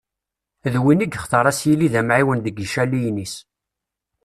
D win i yextar ad s-yili d amεiwen deg icaliyen-is.